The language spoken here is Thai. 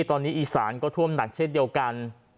ตอนนี้อีสานก็ท่วมหนักเช่นเดียวกัน